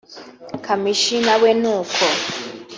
Kamichi na we n’uko